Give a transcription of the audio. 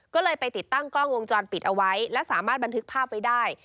ก็เลยไปติดตั้งกล้องวงจรปิดเอาไว้และสามารถบันทึกภาพไว้ได้